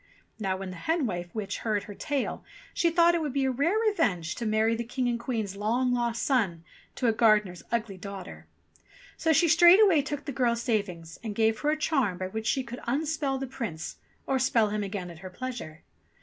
Now when the hen wife witch heard her tale, she thought it would be a rare revenge to marry the King and Queen's long lost son to a gardener's ugly daughter ; so she straight way took the girl's savings and gave her a charm by which she could unspell the Prince or spell him again at her pleasure.